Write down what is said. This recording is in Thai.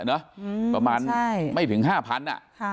อืมใช่ประมาณไม่ถึงห้าพันอ่ะ